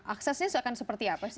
aksesnya akan seperti apa sih